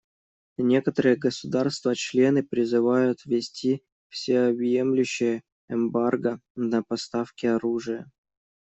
Некоторые государства-члены призывают ввести всеобъемлющее эмбарго на поставки оружия.